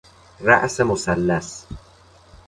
راس مثلث